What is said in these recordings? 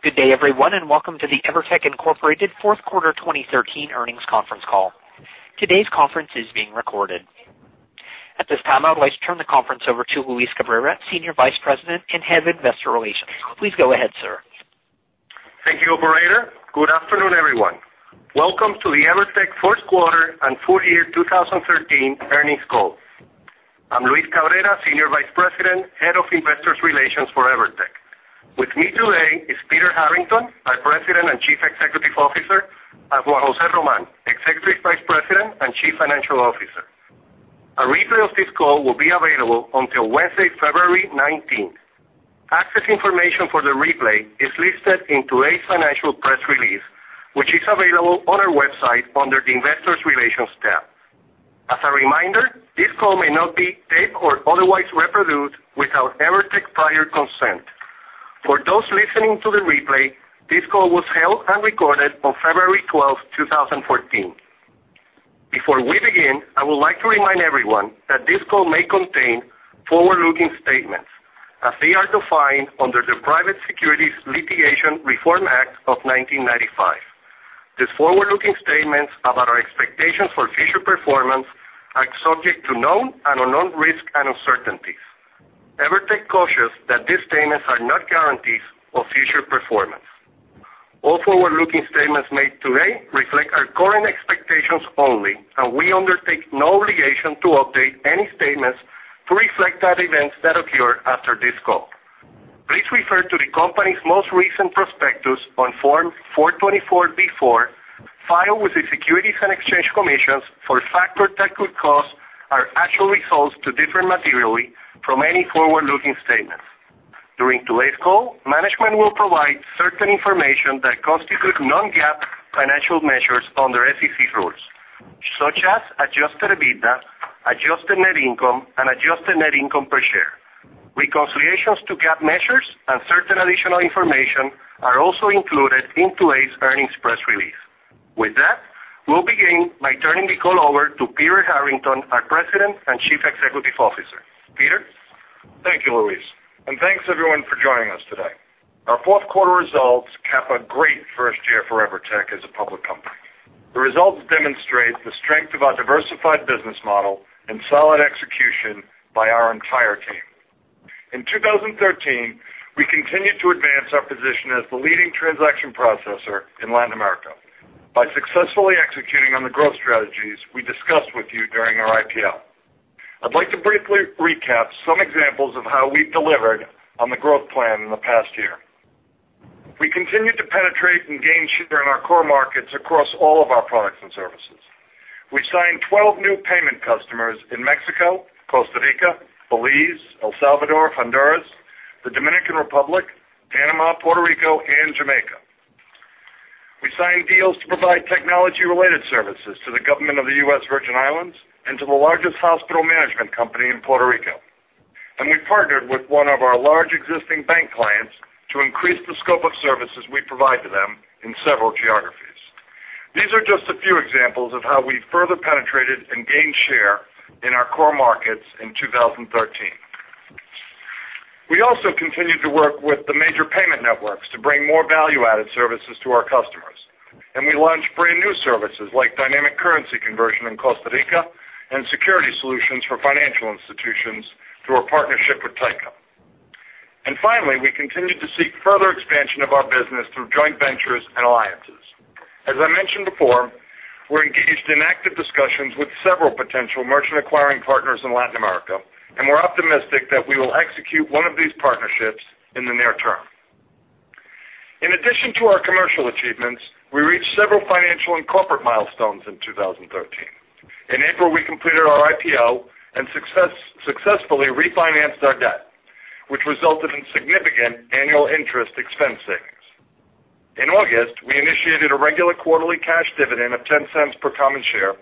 Good day, everyone, welcome to the EVERTEC Incorporated fourth quarter 2013 earnings conference call. Today's conference is being recorded. At this time, I would like to turn the conference over to Luis Cabrera, Senior Vice President and Head of Investor Relations. Please go ahead, sir. Thank you, operator. Good afternoon, everyone. Welcome to the EVERTEC fourth quarter and full year 2013 earnings call. I'm Luis Cabrera, Senior Vice President, Head of Investor Relations for EVERTEC. With me today is Peter Harrington, our President and Chief Executive Officer, and Juan José Román, Executive Vice President and Chief Financial Officer. A replay of this call will be available until Wednesday, February 19th. Access information for the replay is listed in today's financial press release, which is available on our website under the Investor Relations tab. As a reminder, this call may not be taped or otherwise reproduced without EVERTEC's prior consent. For those listening to the replay, this call was held and recorded on February 12th, 2014. Before we begin, I would like to remind everyone that this call may contain forward-looking statements as they are defined under the Private Securities Litigation Reform Act of 1995. These forward-looking statements about our expectations for future performance are subject to known and unknown risks and uncertainties. EVERTEC cautions that these statements are not guarantees of future performance. All forward-looking statements made today reflect our current expectations only. We undertake no obligation to update any statements to reflect events that occur after this call. Please refer to the company's most recent prospectus on Form 424B4, filed with the Securities and Exchange Commission for factors that could cause our actual results to differ materially from any forward-looking statements. During today's call, management will provide certain information that constitutes non-GAAP financial measures under SEC rules, such as adjusted EBITDA, adjusted net income, and adjusted net income per share. Reconciliations to GAAP measures and certain additional information are also included in today's earnings press release. With that, we'll begin by turning the call over to Peter Harrington, our President and Chief Executive Officer. Peter? Thank you, Luis, and thanks everyone for joining us today. Our fourth quarter results cap a great first year for EVERTEC as a public company. The results demonstrate the strength of our diversified business model and solid execution by our entire team. In 2013, we continued to advance our position as the leading transaction processor in Latin America by successfully executing on the growth strategies we discussed with you during our IPO. I'd like to briefly recap some examples of how we've delivered on the growth plan in the past year. We continued to penetrate and gain share in our core markets across all of our products and services. We signed 12 new payment customers in Mexico, Costa Rica, Belize, El Salvador, Honduras, the Dominican Republic, Panama, Puerto Rico, and Jamaica. We signed deals to provide technology-related services to the government of the U.S. Virgin Islands and to the largest hospital management company in Puerto Rico. We partnered with one of our large existing bank clients to increase the scope of services we provide to them in several geographies. These are just a few examples of how we further penetrated and gained share in our core markets in 2013. We also continued to work with the major payment networks to bring more value-added services to our customers. We launched brand-new services like dynamic currency conversion in Costa Rica and security solutions for financial institutions through our partnership with Tyco. Finally, we continued to seek further expansion of our business through joint ventures and alliances. As I mentioned before, we're engaged in active discussions with several potential merchant acquiring partners in Latin America. We're optimistic that we will execute one of these partnerships in the near term. In addition to our commercial achievements, we reached several financial and corporate milestones in 2013. In April, we completed our IPO and successfully refinanced our debt, which resulted in significant annual interest expense savings. In August, we initiated a regular quarterly cash dividend of $0.10 per common share,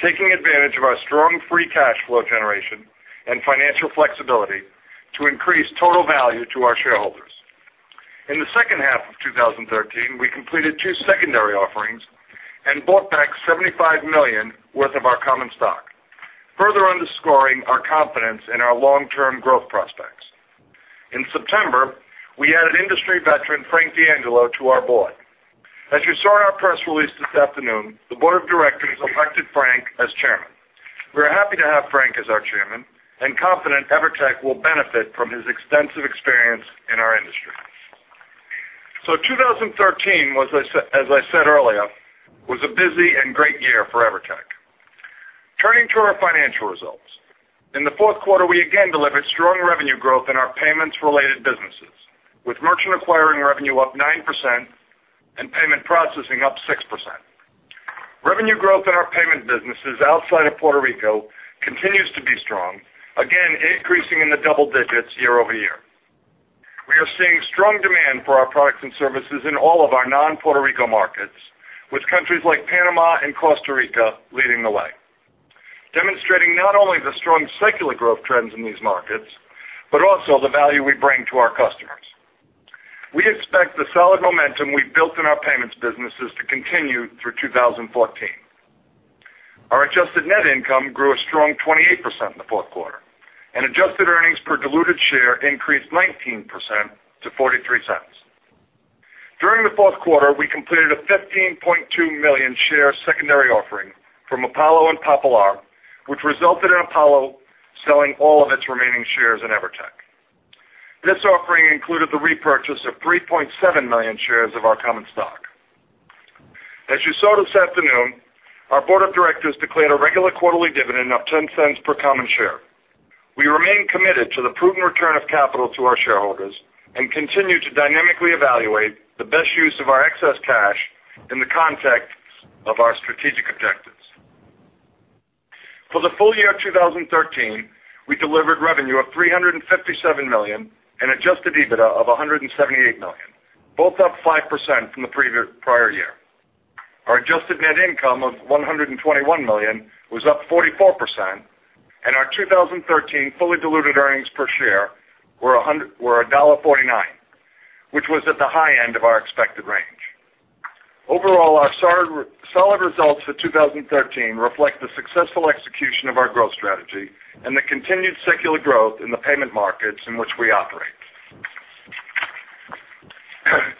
taking advantage of our strong free cash flow generation and financial flexibility to increase total value to our shareholders. In the second half of 2013, we completed two secondary offerings and bought back $75 million worth of our common stock, further underscoring our confidence in our long-term growth prospects. In September, we added industry veteran Frank D'Angelo to our board. As you saw in our press release this afternoon, the board of directors elected Frank as chairman. We are happy to have Frank as our chairman and confident EVERTEC will benefit from his extensive experience in our industry. 2013, as I said earlier, was a busy and great year for EVERTEC. Turning to our financial results. In the fourth quarter, we again delivered strong revenue growth in our payments-related businesses, with merchant acquiring revenue up 9% and payment processing up 6%. Revenue growth in our payment businesses outside of Puerto Rico continues to be strong, again increasing in the double digits year-over-year. We are seeing strong demand for our products and services in all of our non-Puerto Rico markets, with countries like Panama and Costa Rica leading the way, demonstrating not only the strong secular growth trends in these markets but also the value we bring to our customers. We expect the solid momentum we've built in our payments businesses to continue through 2014. Our adjusted net income grew a strong 28% in the fourth quarter, and adjusted earnings per diluted share increased 19% to $0.43. During the fourth quarter, we completed a 15.2 million share secondary offering from Apollo and Popular, which resulted in Apollo selling all of its remaining shares in EVERTEC. This offering included the repurchase of 3.7 million shares of our common stock. As you saw this afternoon, our board of directors declared a regular quarterly dividend of $0.10 per common share. We remain committed to the prudent return of capital to our shareholders and continue to dynamically evaluate the best use of our excess cash in the context of our strategic objectives. For the full year of 2013, we delivered revenue of $357 million and adjusted EBITDA of $178 million, both up 5% from the prior year. Our adjusted net income of $121 million was up 44%, and our 2013 fully diluted earnings per share were $1.49, which was at the high end of our expected range. Overall, our solid results for 2013 reflect the successful execution of our growth strategy and the continued secular growth in the payment markets in which we operate.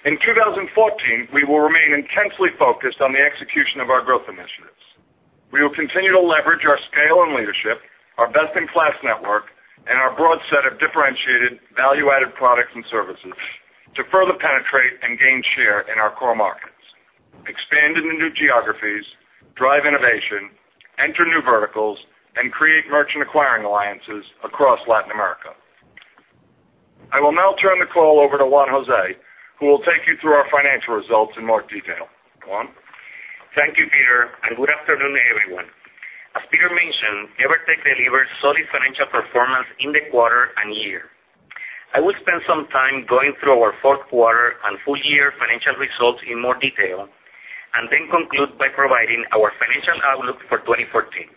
In 2014, we will remain intensely focused on the execution of our growth initiatives. We will continue to leverage our scale and leadership, our best-in-class network, and our broad set of differentiated value-added products and services to further penetrate and gain share in our core markets, expand into new geographies, drive innovation, enter new verticals, and create merchant acquiring alliances across Latin America. I will now turn the call over to Juan José, who will take you through our financial results in more detail. Juan? Thank you, Peter, and good afternoon, everyone. As Peter mentioned, EVERTEC delivered solid financial performance in the quarter and year. I will spend some time going through our fourth quarter and full year financial results in more detail and then conclude by providing our financial outlook for 2014.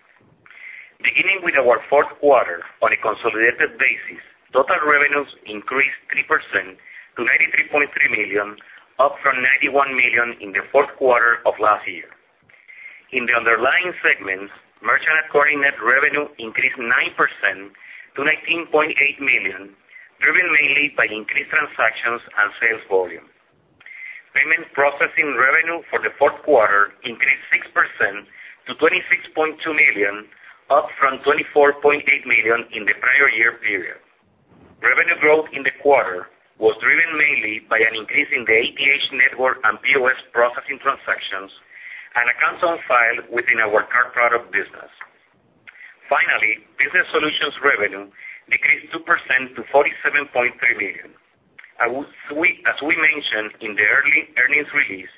Beginning with our fourth quarter, on a consolidated basis, total revenues increased 3% to $93.3 million, up from $91 million in the fourth quarter of last year. In the underlying segments, merchant acquiring net revenue increased 9% to $19.8 million, driven mainly by increased transactions and sales volume. Payment Processing revenue for the fourth quarter increased 6% to $26.2 million, up from $24.8 million in the prior year period. Revenue growth in the quarter was driven mainly by an increase in the ATH network and POS processing transactions and accounts on file within our card product business. Finally, business solutions revenue decreased 2% to $47.3 million. As we mentioned in the earnings release,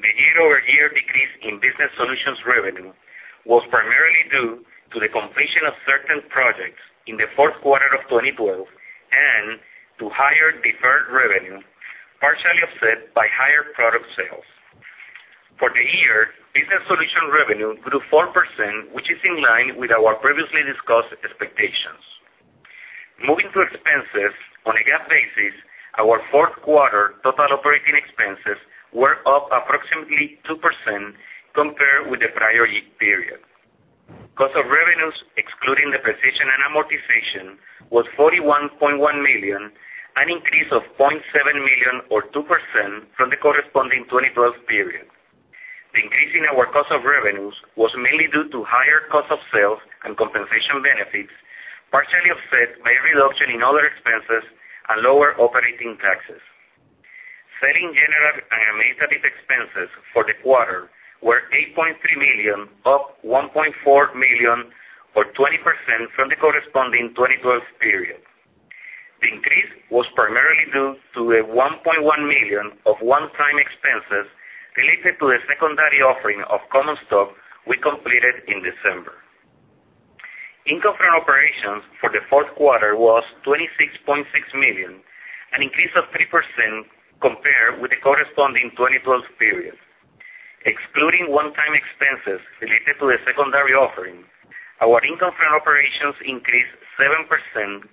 the year-over-year decrease in business solutions revenue was primarily due to the completion of certain projects in the fourth quarter of 2012 and to higher deferred revenue, partially offset by higher product sales. For the year, business solution revenue grew 4%, which is in line with our previously discussed expectations. Moving to expenses, on a GAAP basis, our fourth quarter total operating expenses were up approximately 2% compared with the prior year period. Cost of revenues, excluding depreciation and amortization, was $41.1 million, an increase of $0.7 million, or 2%, from the corresponding 2012 period. The increase in our cost of revenues was mainly due to higher cost of sales and compensation benefits, partially offset by a reduction in other expenses and lower operating taxes. Selling, general, and administrative expenses for the quarter were $8.3 million, up $1.4 million or 20% from the corresponding 2012 period. The increase was primarily due to $1.1 million of one-time expenses related to the secondary offering of common stock we completed in December. Income from operations for the fourth quarter was $26.6 million, an increase of 3% compared with the corresponding 2012 period. Excluding one-time expenses related to the secondary offering, our income from operations increased 7%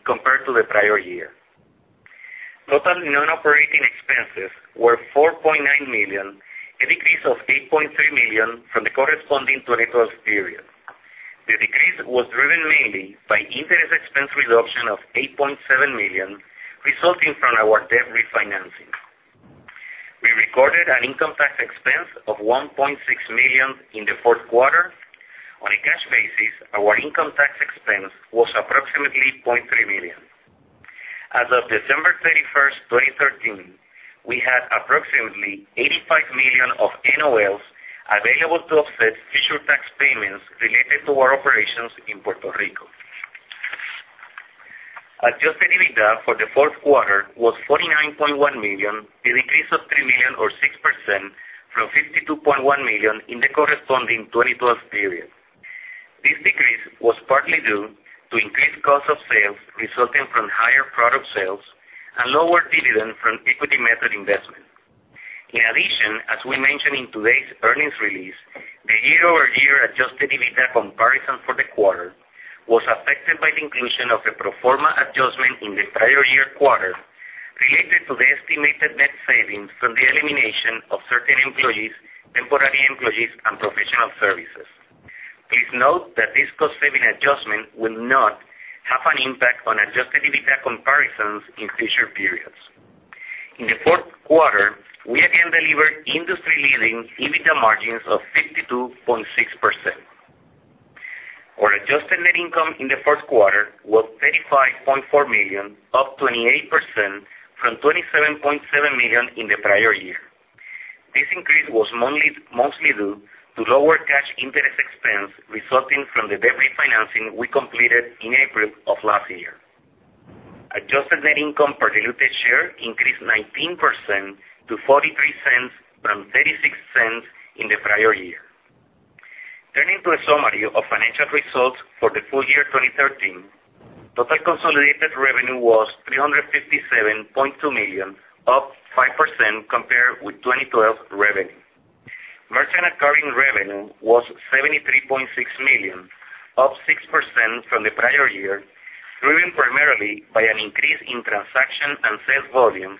compared to the prior year. Total non-operating expenses were $4.9 million, a decrease of $8.3 million from the corresponding 2012 period. The decrease was driven mainly by interest expense reduction of $8.7 million resulting from our debt refinancing. We recorded an income tax expense of $1.6 million in the fourth quarter. On a cash basis, our income tax expense was approximately $0.3 million. As of December 31st, 2013, we had approximately $85 million of NOLs available to offset future tax payments related to our operations in Puerto Rico. Adjusted EBITDA for the fourth quarter was $49.1 million, a decrease of $3 million or 6% from $52.1 million in the corresponding 2012 period. This decrease was partly due to increased cost of sales resulting from higher product sales and lower dividend from equity method investment. In addition, as we mentioned in today's earnings release, the year-over-year adjusted EBITDA The quarter was affected by the inclusion of a pro forma adjustment in the prior year quarter related to the estimated net savings from the elimination of certain employees, temporary employees, and professional services. Please note that this cost-saving adjustment will not have an impact on adjusted EBITDA comparisons in future periods. In the fourth quarter, we again delivered industry-leading EBITDA margins of 52.6%. Our adjusted net income in the first quarter was $35.4 million, up 28% from $27.7 million in the prior year. This increase was mostly due to lower cash interest expense resulting from the debt refinancing we completed in April of last year. Adjusted net income per diluted share increased 19% to $0.43 from $0.36 in the prior year. Turning to a summary of financial results for the full year 2013, total consolidated revenue was $357.2 million, up 5% compared with 2012 revenue. Merchant acquiring revenue was $73.6 million, up 6% from the prior year, driven primarily by an increase in transaction and sales volume,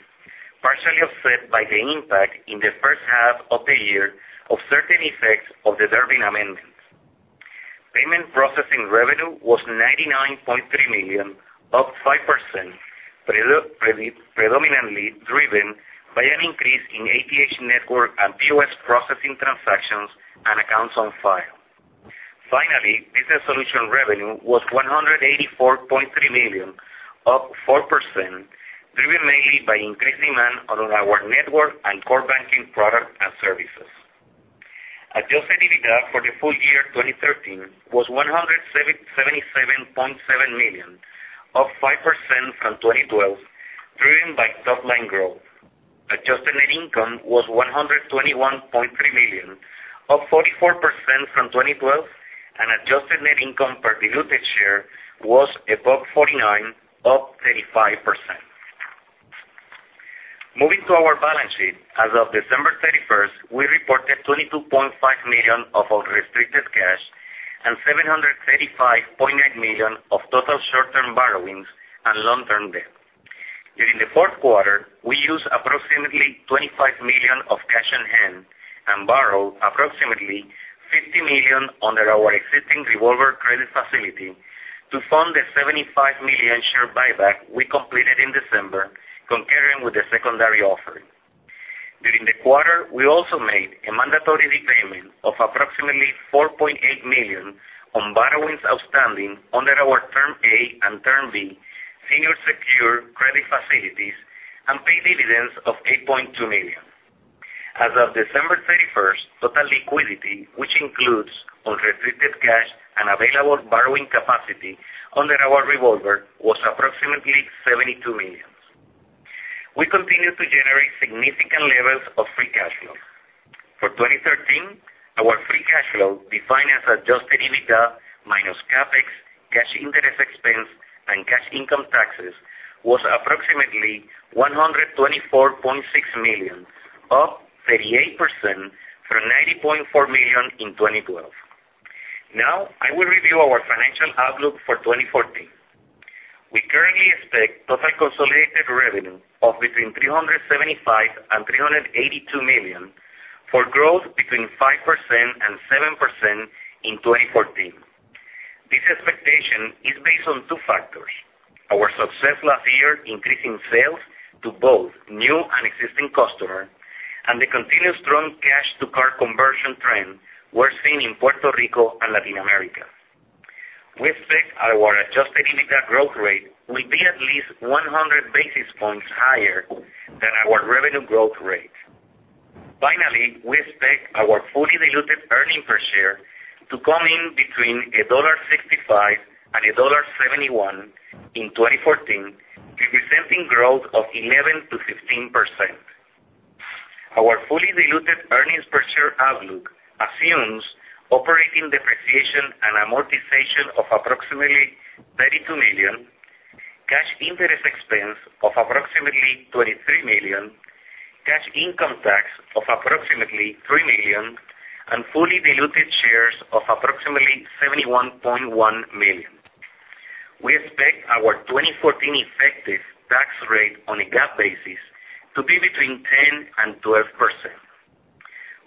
partially offset by the impact in the first half of the year of certain effects of the Durbin Amendment. Payment processing revenue was $99.3 million, up 5%, predominantly driven by an increase in ATH network and POS processing transactions and accounts on file. Finally, business solution revenue was $184.3 million, up 4%, driven mainly by increased demand on our network and core banking products and services. Adjusted EBITDA for the full year 2013 was $177.7 million, up 5% from 2012, driven by top-line growth. Adjusted net income was $121.3 million, up 44% from 2012, and adjusted net income per diluted share was $1.49, up 35%. Moving to our balance sheet, as of December 31st, we reported $22.5 million of unrestricted cash and $735.9 million of total short-term borrowings and long-term debt. During the fourth quarter, we used approximately $25 million of cash on hand and borrowed approximately $50 million under our existing revolver credit facility to fund the 75 million share buyback we completed in December concurrent with the secondary offering. During the quarter, we also made a mandatory repayment of approximately $4.8 million on borrowings outstanding under our Term A and Term B senior secured credit facilities and paid dividends of $8.2 million. As of December 31st, total liquidity, which includes unrestricted cash and available borrowing capacity under our revolver, was approximately $72 million. We continue to generate significant levels of free cash flow. For 2013, our free cash flow, defined as adjusted EBITDA minus CapEx, cash interest expense, and cash income taxes, was approximately $124.6 million, up 38% from $90.4 million in 2012. Now I will review our financial outlook for 2014. We currently expect total consolidated revenue of between $375 million and $382 million, for growth between 5% and 7% in 2014. This expectation is based on two factors. Our success last year increasing sales to both new and existing customers and the continued strong cash-to-card conversion trend we're seeing in Puerto Rico and Latin America. We expect our adjusted EBITDA growth rate will be at least 100 basis points higher than our revenue growth rate. Finally, we expect our fully diluted earnings per share to come in between $1.65 and $1.71 in 2014, representing growth of 11% to 15%. Our fully diluted earnings per share outlook assumes operating depreciation and amortization of approximately $32 million, cash interest expense of approximately $23 million, cash income tax of approximately $3 million, and fully diluted shares of approximately 71.1 million. We expect our 2014 effective tax rate on a GAAP basis to be between 10% and 12%.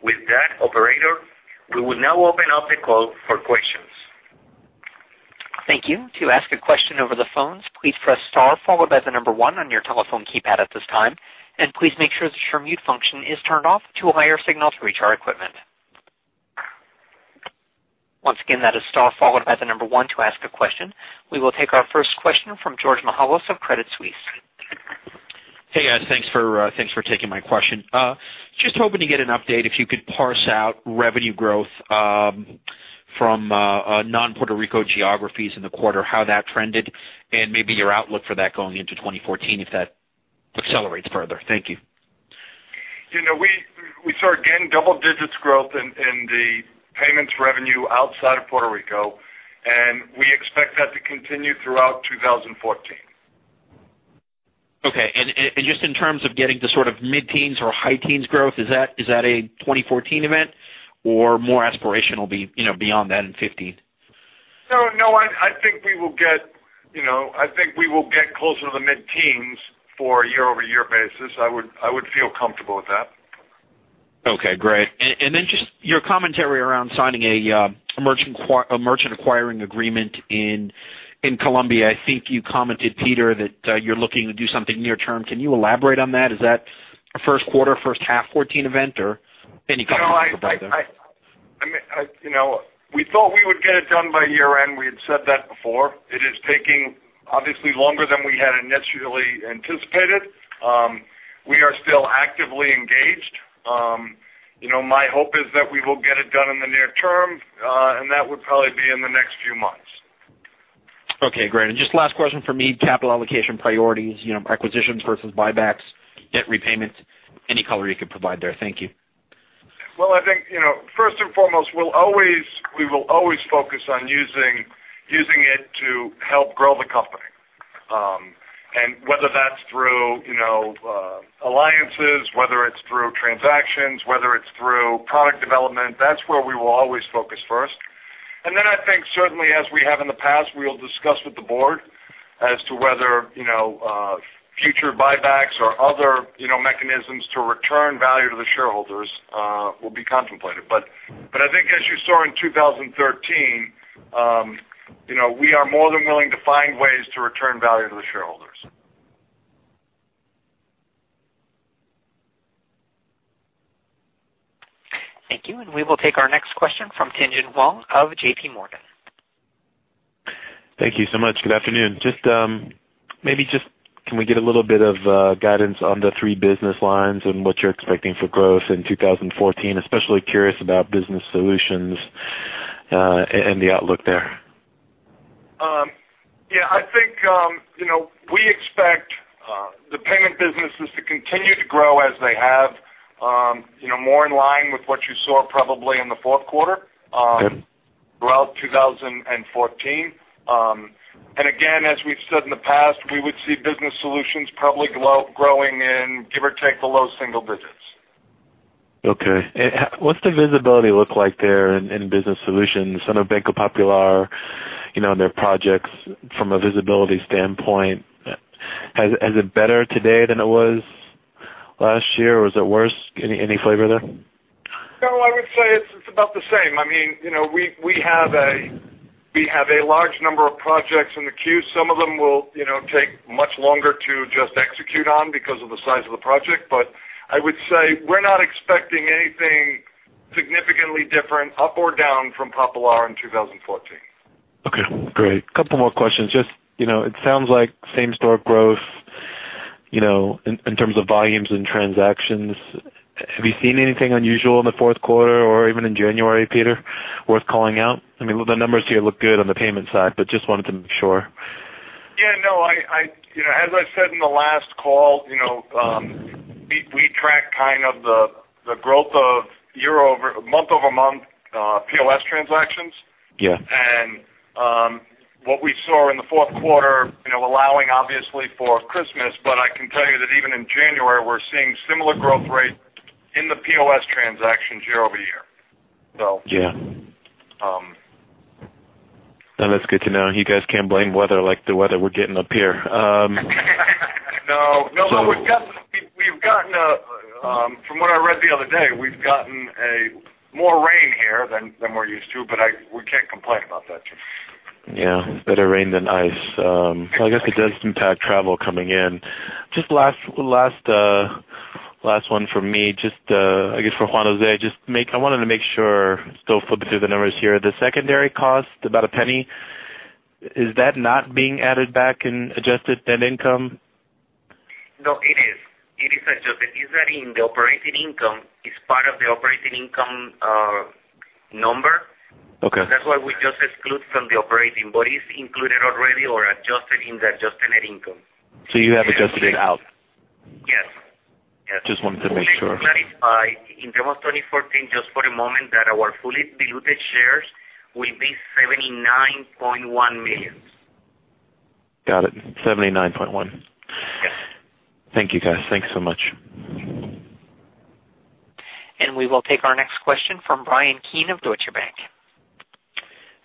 With that, operator, we will now open up the call for questions. Thank you. To ask a question over the phones, please press star followed by the number one on your telephone keypad at this time, and please make sure that your mute function is turned off to allow your signal to reach our equipment. Once again, that is star followed by the number one to ask a question. We will take our first question from Georgios Mihalos of Credit Suisse. Hey, guys. Thanks for taking my question. Just hoping to get an update, if you could parse out revenue growth from non-Puerto Rico geographies in the quarter, how that trended, and maybe your outlook for that going into 2014, if that accelerates further. Thank you. We saw, again, double-digit growth in the payments revenue outside of Puerto Rico, and we expect that to continue throughout 2014. Just in terms of getting to sort of mid-teens or high teens growth, is that a 2014 event or more aspirational beyond that in 2015? I think we will get closer to the mid-teens for a year-over-year basis. I would feel comfortable with that. Okay, great. Just your commentary around signing a merchant acquiring agreement in Colombia. I think you commented, Peter, that you're looking to do something near term. Can you elaborate on that? Is that a first quarter, first half 2014 event or any comment you could provide there? We thought we would get it done by year-end. We had said that before. It is taking obviously longer than we had initially anticipated. We are still actively engaged. My hope is that we will get it done in the near term, and that would probably be in the next few months. Okay, great. Just last question from me, capital allocation priorities, acquisitions versus buybacks, debt repayments. Any color you could provide there. Thank you. Well, I think, first and foremost, we will always focus on using it to help grow the company. Whether that's through alliances, whether it's through transactions, whether it's through product development, that's where we will always focus first. Then I think certainly as we have in the past, we will discuss with the board as to whether future buybacks or other mechanisms to return value to the shareholders will be contemplated. I think as you saw in 2013, we are more than willing to find ways to return value to the shareholders. Thank you. We will take our next question from Tien-Tsin Huang of JP Morgan. Thank you so much. Good afternoon. Maybe just can we get a little bit of guidance on the three business lines and what you're expecting for growth in 2014? Especially curious about business solutions and the outlook there. Yeah, I think we expect the payment businesses to continue to grow as they have, more in line with what you saw probably in the fourth quarter. Okay throughout 2014. Again, as we've said in the past, we would see business solutions probably growing in give or take the low single digits. Okay. What's the visibility look like there in business solutions? I know Banco Popular and their projects from a visibility standpoint. Is it better today than it was last year, or is it worse? Any flavor there? No, I would say it's about the same. We have a large number of projects in the queue. Some of them will take much longer to just execute on because of the size of the project. I would say we're not expecting anything significantly different up or down from Popular in 2014. Okay, great. Couple more questions. Just it sounds like same store growth, in terms of volumes and transactions. Have you seen anything unusual in the fourth quarter or even in January, Peter, worth calling out? The numbers here look good on the payment side, but just wanted to make sure. Yeah. As I said in the last call, we track kind of the growth of month-over-month POS transactions. Yeah. What we saw in the fourth quarter, allowing obviously for Christmas, but I can tell you that even in January, we're seeing similar growth rate in the POS transactions year-over-year. Yeah. That's good to know. You guys can't blame weather like the weather we're getting up here. No. From what I read the other day, we've gotten more rain here than we're used to, but we can't complain about that. Yeah. Better rain than ice. I guess it does impact travel coming in. Just last one from me, I guess for Juan José. I wanted to make sure, still flipping through the numbers here. The secondary cost, about $0.01, is that not being added back in adjusted net income? No, it is. It is adjusted. It's in the operating income. It's part of the operating income number. Okay. That's why we just exclude from the operating, it's included already or adjusted in the adjusted net income. You have adjusted it out? Yes. Just wanted to make sure. Let me clarify in terms of 2014, just for a moment that our fully diluted shares will be 79.1 million. Got it. 79.1. Yes. Thank you, guys. Thanks so much. We will take our next question from Bryan Keane of Deutsche Bank.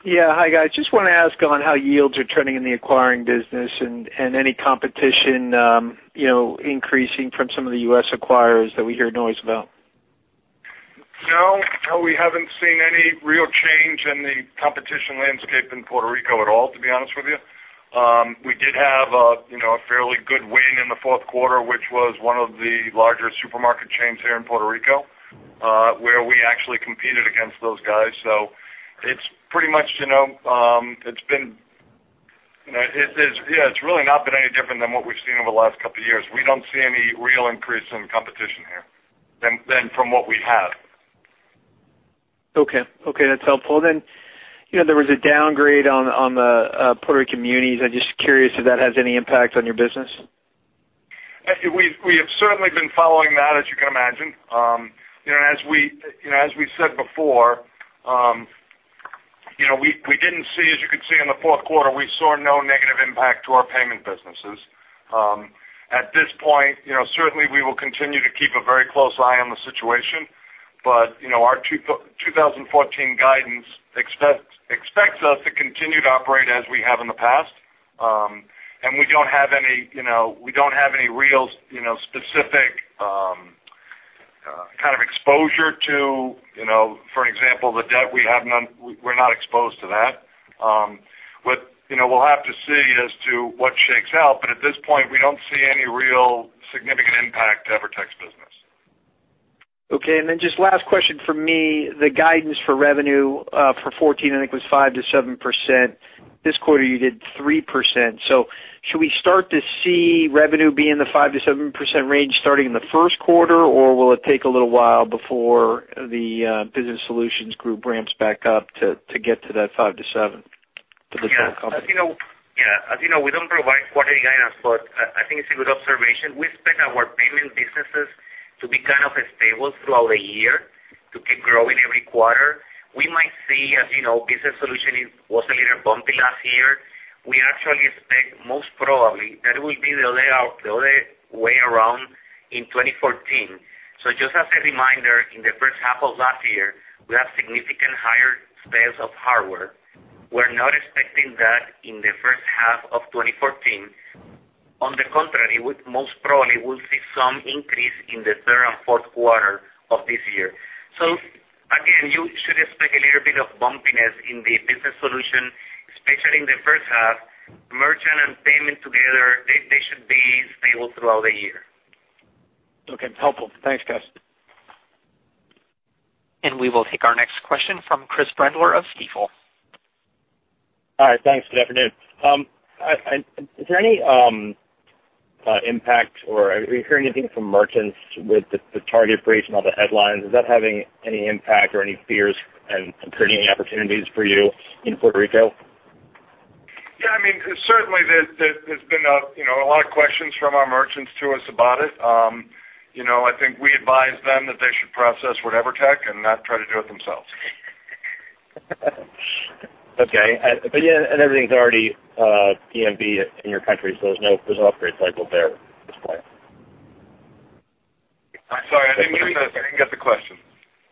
Yeah. Hi, guys. Just want to ask on how yields are trending in the acquiring business and any competition increasing from some of the U.S. acquirers that we hear noise about. We haven't seen any real change in the competition landscape in Puerto Rico at all, to be honest with you. We did have a fairly good win in the fourth quarter, which was one of the larger supermarket chains here in Puerto Rico where we actually competed against those guys. It's really not been any different than what we've seen over the last couple of years. We don't see any real increase in competition here than from what we had. Okay. That's helpful. There was a downgrade on the Puerto Rican munis. I'm just curious if that has any impact on your business. We have certainly been following that, as you can imagine. As we said before, we didn't see, as you can see in the fourth quarter, we saw no negative impact to our payment businesses. At this point, certainly we will continue to keep a very close eye on the situation, but our 2014 guidance expects us to continue to operate as we have in the past. We don't have any real specific kind of exposure to, for example, the debt. We're not exposed to that. We'll have to see as to what shakes out, but at this point, we don't see any real significant impact to EVERTEC's business. Okay. Then just last question from me, the guidance for revenue for 2014, I think was 5%-7%. This quarter, you did 3%. Should we start to see revenue be in the 5%-7% range starting in the first quarter? Or will it take a little while before the Business Solutions group ramps back up to get to that 5%-7% for the whole company? Yeah. As you know, we don't provide quarterly guidance, but I think it's a good observation. We expect our Payment businesses to be kind of stable throughout the year, to keep growing every quarter. We might see, as you know, Business Solutions was a little bumpy last year. We actually expect, most probably, that it will be the other way around in 2014. Just as a reminder, in the first half of last year, we have significant higher sales of hardware. We're not expecting that in the first half of 2014. On the contrary, we most probably will see some increase in the third and fourth quarter of this year. Again, you should expect a little bit of bumpiness in the Business Solutions, especially in the first half. Merchant and Payment together, they should be stable throughout the year. Okay. Helpful. Thanks, guys. We will take our next question from Chris Brendler of Stifel. Hi, thanks. Good afternoon. Is there any impact, or are you hearing anything from merchants with the Target breach and all the headlines? Is that having any impact or any fears and creating any opportunities for you in Puerto Rico? Yeah. Certainly there's been a lot of questions from our merchants to us about it. I think we advise them that they should process with EVERTEC and not try to do it themselves. Okay. Yeah, everything's already EMV in your country, so there's no upgrade cycle there at this point. I'm sorry. I didn't get the question.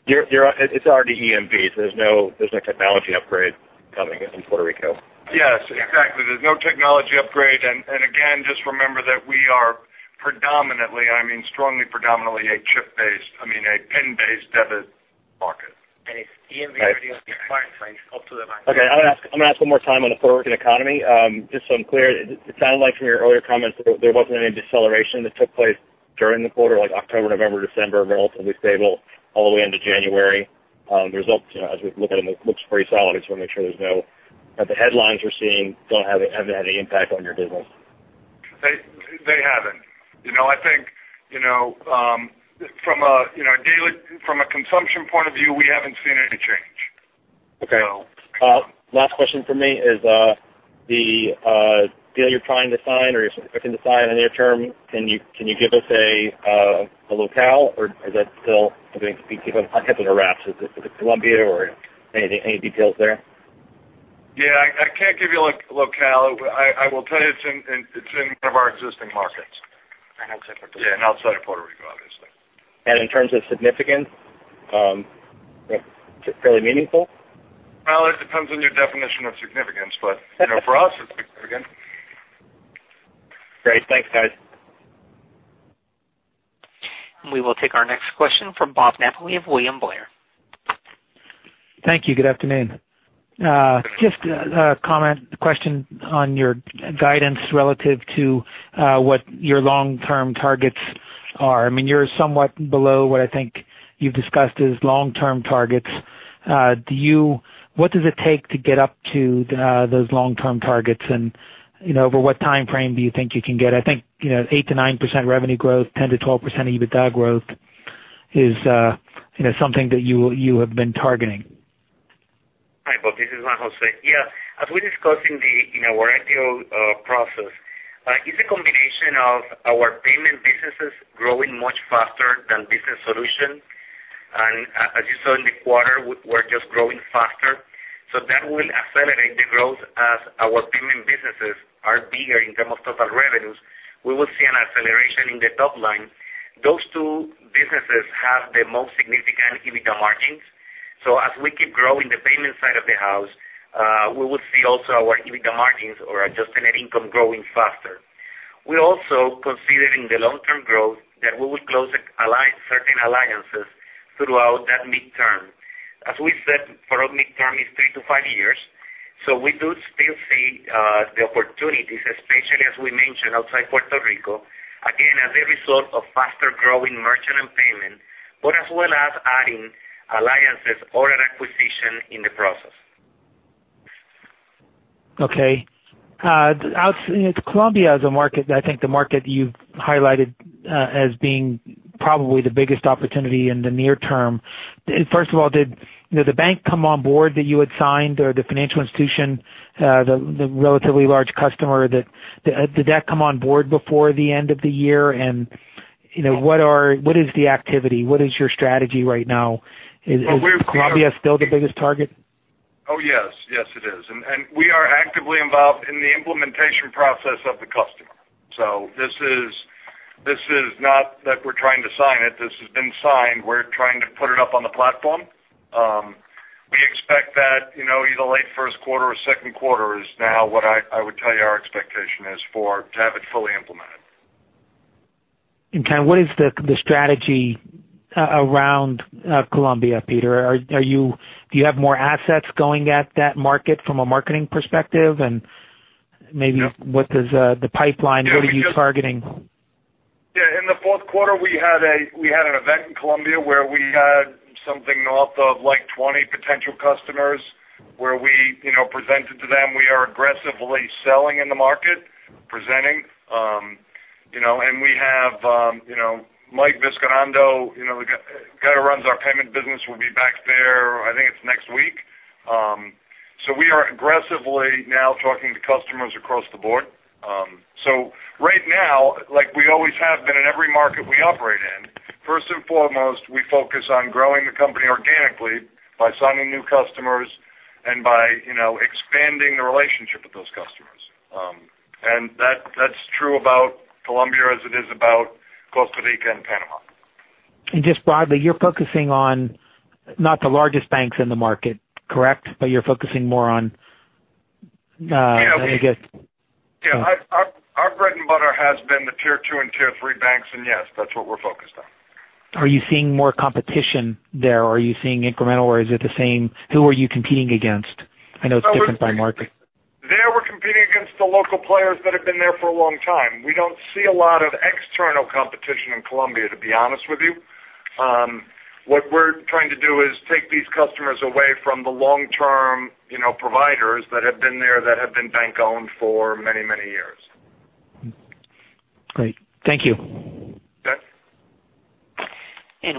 It's already EMV. There's no technology upgrade coming in Puerto Rico. Yes, exactly. There's no technology upgrade. Again, just remember that we are predominantly, I mean strongly predominantly, a PIN-based debit market. It's EMV-ready on the acquiring side up to the bank. Okay. I'm gonna ask one more time on the Puerto Rican economy. Just so I'm clear, it sounded like from your earlier comments there wasn't any deceleration that took place during the quarter, like October, November, December, relatively stable all the way into January. The results, as we look at them, it looks pretty solid. I just want to make sure that the headlines we're seeing haven't had any impact on your business. They haven't. I think from a consumption point of view, we haven't seen any change. Okay. Last question from me is the deal you're trying to sign or expecting to sign in the near term, can you give us a locale, or is that still something to be kept under wraps? Is it Colombia or any details there? Yeah, I can't give you a locale. I will tell you it's in one of our existing markets. Outside Puerto Rico. Yeah, outside of Puerto Rico, obviously. In terms of significance, is it fairly meaningful? Well, it depends on your definition of significance, but for us, it's significant. Great. Thanks, guys. We will take our next question from Robert Napoli of William Blair. Thank you. Good afternoon. Just a comment, a question on your guidance relative to what your long-term targets are. You're somewhat below what I think you've discussed as long-term targets. What does it take to get up to those long-term targets? Over what timeframe do you think you can get? I think 8%-9% revenue growth, 10%-12% EBITDA growth is something that you have been targeting. Hi, Bob. This is Juan Jose. Yeah. As we discussed in our IPO process, it's a combination of our payment businesses growing much faster than Business Solutions. As you saw in the quarter, we're just growing faster. That will accelerate the growth as our payment businesses are bigger in terms of total revenues. We will see an acceleration in the top line. Those two businesses have the most significant EBITDA margins. As we keep growing the payment side of the house, we will see also our EBITDA margins or adjusted net income growing faster. We're also considering the long-term growth that we will close certain alliances throughout that midterm. As we said, for our midterm is 3-5 years, we do still see the opportunities, especially as we mentioned, outside Puerto Rico, again, as a result of faster-growing merchant and payment, as well as adding alliances or an acquisition in the process. Okay. Colombia is, I think, the market you've highlighted as being probably the biggest opportunity in the near term. First of all, did the bank come on board that you had signed or the financial institution, the relatively large customer, did that come on board before the end of the year? What is the activity? What is your strategy right now? Well. Is Colombia still the biggest target? Oh, yes. Yes, it is. We are actively involved in the implementation process of the customer. This is not that we're trying to sign it. This has been signed. We're trying to put it up on the platform. We expect that either late first quarter or second quarter is now what I would tell you our expectation is to have it fully implemented. what is the strategy around Colombia, Peter? Do you have more assets going at that market from a marketing perspective? Yeah. what does the pipeline, what are you targeting? Yeah. In the fourth quarter, we had an event in Colombia where we had something north of 20 potential customers, where we presented to them. We are aggressively selling in the market, presenting. We have Mike Vizcarrondo, the guy who runs our payment business, will be back there, I think it's next week. We are aggressively now talking to customers across the board. Right now, like we always have been in every market we operate in, first and foremost, we focus on growing the company organically by signing new customers and by expanding the relationship with those customers. That's true about Colombia as it is about Costa Rica and Panama. Just broadly, you're focusing on not the largest banks in the market. Correct? Yeah. I guess Yeah. Our bread and butter has been the tier 2 and tier 3 banks, yes, that's what we're focused on. Are you seeing more competition there? Are you seeing incremental or is it the same? Who are you competing against? I know it's different by market. There, we're competing against the local players that have been there for a long time. We don't see a lot of external competition in Colombia, to be honest with you. What we're trying to do is take these customers away from the long-term providers that have been there that have been bank-owned for many, many years. Great. Thank you. You bet.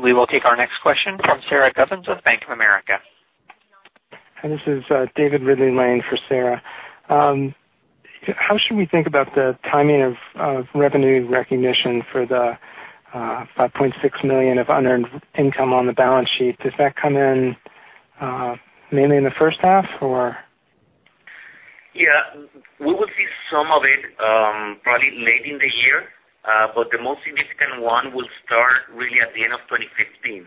We will take our next question from Sara Gubins with Bank of America. Hi, this is David Ridley-Lane in for Sara. How should we think about the timing of revenue recognition for the $5.6 million of unearned income on the balance sheet? Does that come in mainly in the first half, or? Yeah. We will see some of it probably late in the year. The most significant one will start really at the end of 2015.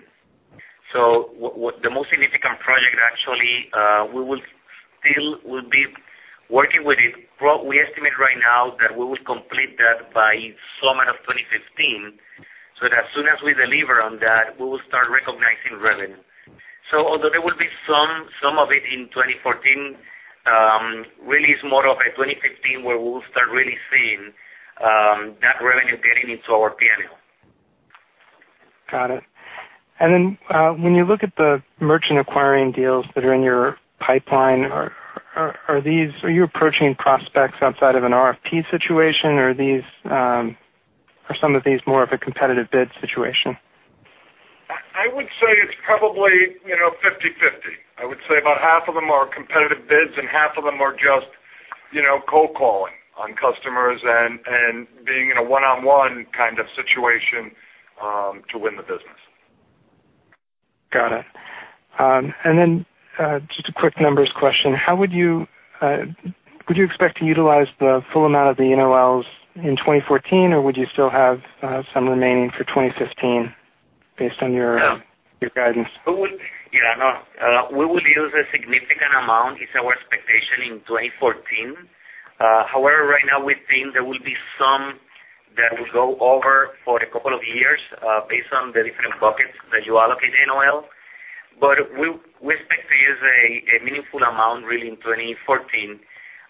The most significant project actually, we still will be working with it. We estimate right now that we will complete that by summer of 2015, so that as soon as we deliver on that, we will start recognizing revenue. Although there will be some of it in 2014, really it's more of a 2015 where we will start really seeing that revenue getting into our P&L. Got it. When you look at the merchant acquiring deals that are in your pipeline, are you approaching prospects outside of an RFP situation or are some of these more of a competitive bid situation? I would say it's probably 50/50. I would say about half of them are competitive bids and half of them are just cold calling on customers and being in a one-on-one kind of situation to win the business. Got it. Just a quick numbers question. Would you expect to utilize the full amount of the NOLs in 2014 or would you still have some remaining for 2015 based on your guidance? Yeah. No. We will use a significant amount, is our expectation in 2014. However, right now we think there will be some that will go over for a couple of years, based on the different buckets that you allocate the NOL. We expect to use a meaningful amount really in 2014.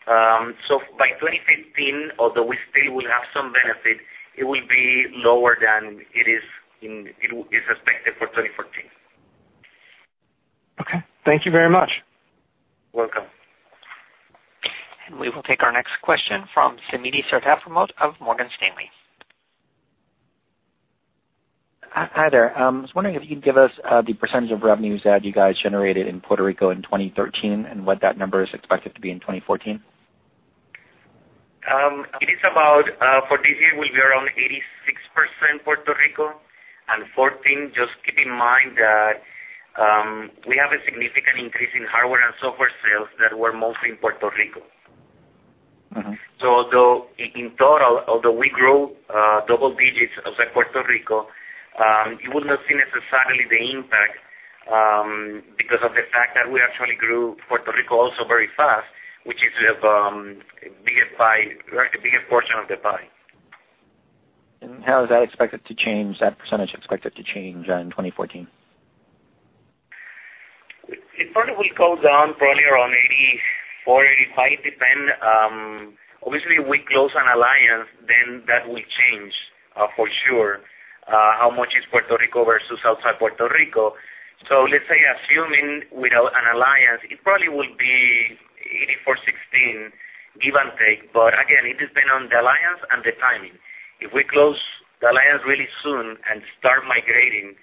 By 2015, although we still will have some benefit, it will be lower than it is expected for 2014. Okay. Thank you very much. Welcome. We will take our next question from Simit Sarkar of Morgan Stanley. Hi there. I was wondering if you could give us the percentage of revenues that you guys generated in Puerto Rico in 2013, and what that number is expected to be in 2014. It is about, for this year, we'll be around 86% Puerto Rico. In 2014, just keep in mind that we have a significant increase in hardware and software sales that were mostly in Puerto Rico. Although in total, although we grew double digits outside Puerto Rico, you wouldn't have seen necessarily the impact because of the fact that we actually grew Puerto Rico also very fast, which is the biggest portion of the pie. How is that percentage expected to change in 2014? It probably will go down probably around 84, 85%, depend. Obviously, we close an alliance, then that will change, for sure, how much is Puerto Rico versus outside Puerto Rico. Let's say assuming without an alliance, it probably will be 84/16, give and take. Again, it depends on the alliance and the timing. If we close the alliance really soon and start migrating,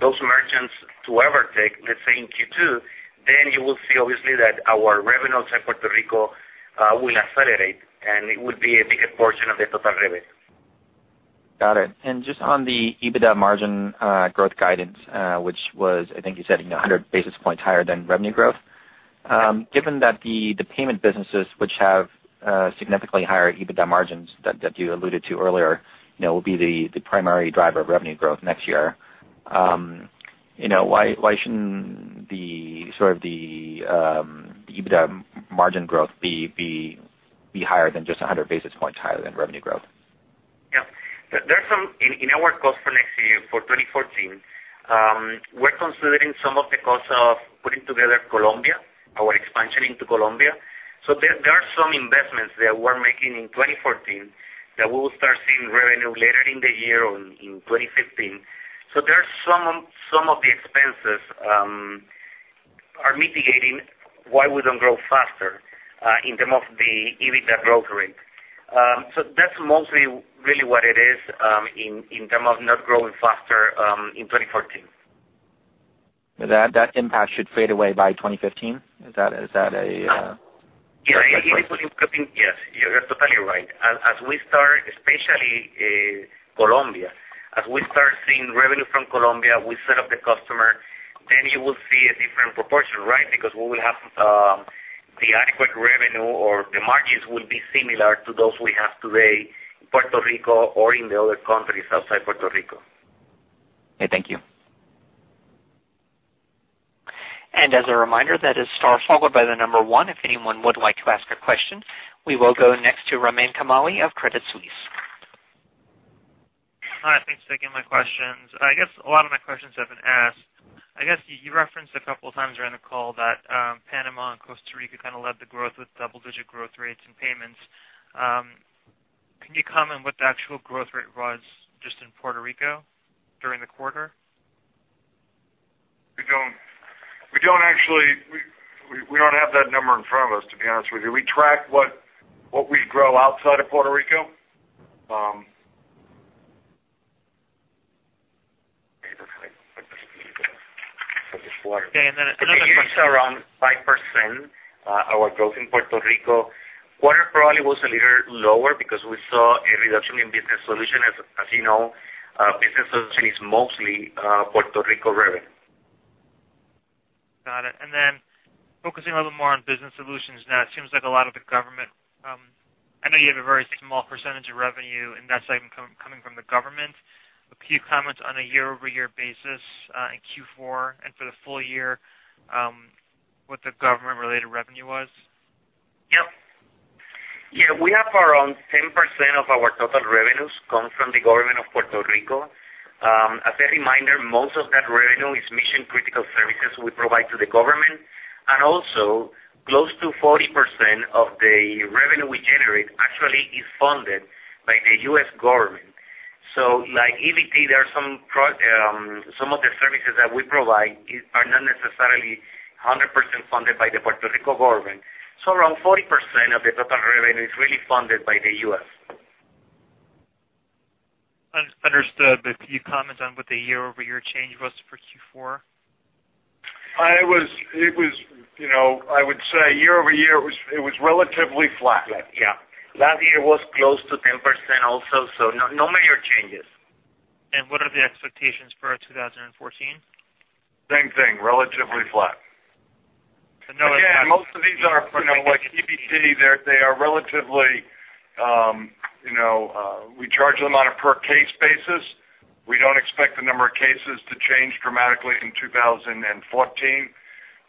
those merchants to EVERTEC, let's say in Q2, then you will see obviously that our revenues in Puerto Rico will accelerate, and it will be a bigger portion of the total revenue. Got it. Just on the EBITDA margin growth guidance, which was, I think you said, 100 basis points higher than revenue growth. Given that the payment businesses, which have significantly higher EBITDA margins that you alluded to earlier, will be the primary driver of revenue growth next year, why shouldn't the EBITDA margin growth be higher than just 100 basis points higher than revenue growth? Yeah. In our cost for next year, for 2014, we're considering some of the cost of putting together Colombia, our expansion into Colombia. There are some investments that we're making in 2014 that we will start seeing revenue later in the year or in 2015. Some of the expenses are mitigating why we don't grow faster in terms of the EBITDA growth rate. That's mostly really what it is, in terms of not growing faster in 2014. That impact should fade away by 2015? Is that a- Yeah. -fair place? Yes. You're totally right. Especially Colombia, as we start seeing revenue from Colombia, we set up the customer, you will see a different proportion, right? Because we will have the adequate revenue or the margins will be similar to those we have today, Puerto Rico or in the other countries outside Puerto Rico. Okay, thank you. As a reminder, that is star followed by 1 if anyone would like to ask a question. We will go next to Ramin Kamali of Credit Suisse. Hi, thanks for taking my questions. I guess a lot of my questions have been asked. I guess you referenced a couple of times during the call that Panama and Costa Rica kind of led the growth with double-digit growth rates and payments. Can you comment what the actual growth rate was just in Puerto Rico during the quarter? We do not have that number in front of us, to be honest with you. We track what we grow outside of Puerto Rico. In the year, it's around 5%, our growth in Puerto Rico. Quarter probably was a little lower because we saw a reduction in business solutions as you know business solutions is mostly Puerto Rico revenue. Got it. Then focusing a little more on business solutions now. I know you have a very small percentage of revenue, and that's coming from the government. A few comments on a year-over-year basis in Q4 and for the full year, what the government-related revenue was. Yeah. We have around 10% of our total revenues come from the government of Puerto Rico. As a reminder, most of that revenue is mission-critical services we provide to the government. Also, close to 40% of the revenue we generate actually is funded by the U.S. government. Like EBT, some of the services that we provide are not necessarily 100% funded by the Puerto Rico government. Around 40% of the total revenue is really funded by the U.S. Understood. Could you comment on what the year-over-year change was for Q4? I would say year-over-year, it was relatively flat. Yeah. Last year was close to 10% also, so no major changes. What are the expectations for 2014? Same thing, relatively flat. Most of these are like EBT. We charge them on a per-case basis. We don't expect the number of cases to change dramatically in 2014.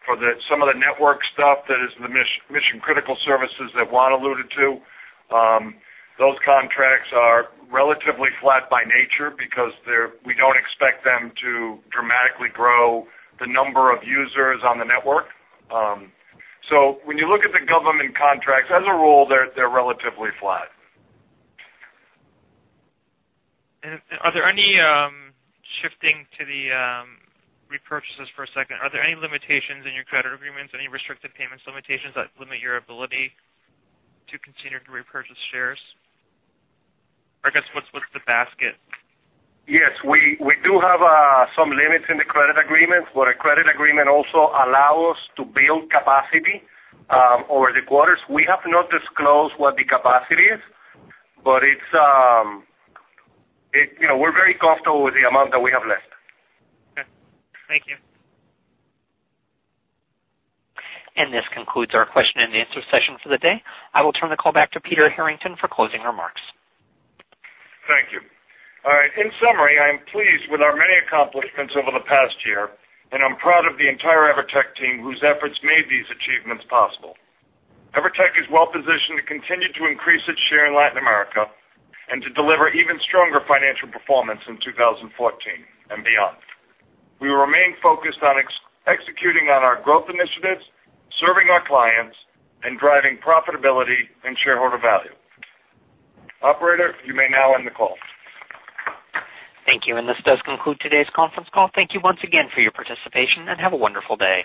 For some of the network stuff, that is the mission-critical services that Juan alluded to, those contracts are relatively flat by nature because we don't expect them to dramatically grow the number of users on the network. When you look at the government contracts, as a rule, they're relatively flat. Shifting to the repurchases for a second, are there any limitations in your credit agreements, any restrictive payments limitations that limit your ability to continue to repurchase shares? Or I guess, what's the basket? Yes, we do have some limits in the credit agreement, but a credit agreement also allow us to build capacity over the quarters. We have not disclosed what the capacity is, but we're very comfortable with the amount that we have left. Okay. Thank you. This concludes our question and answer session for the day. I will turn the call back to Peter Harrington for closing remarks. Thank you. All right. In summary, I am pleased with our many accomplishments over the past year, and I'm proud of the entire EVERTEC team whose efforts made these achievements possible. EVERTEC is well positioned to continue to increase its share in Latin America and to deliver even stronger financial performance in 2014 and beyond. We remain focused on executing on our growth initiatives, serving our clients, and driving profitability and shareholder value. Operator, you may now end the call. Thank you. This does conclude today's conference call. Thank you once again for your participation, and have a wonderful day.